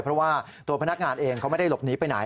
เพราะว่าตัวพนักงานเองเขาไม่ได้หลบหนีไปไหน